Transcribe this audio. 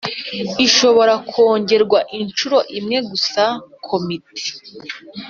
ishobora kongerwa inshuro imwe gusa Komite